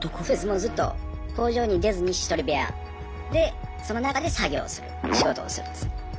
もうずっと工場に出ずに１人部屋でその中で作業をする仕事をするんです。